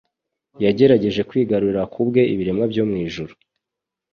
Yagerageje kwigarurira ku bwe ibiremwa byo mu ijuru,